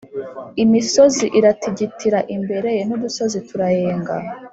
Imisozi iratigitira imbere ye n’udusozi turayenga